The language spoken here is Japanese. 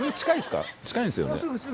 近いんですよね。